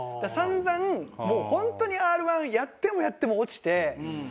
さんざんもう本当にＲ−１やってもやっても落ちて。